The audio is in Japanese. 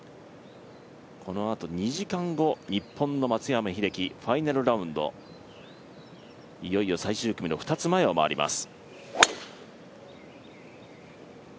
このあと２時間後、日本の松山英樹、ファイナルラウンドいよいよ最終組の２つ前を回ります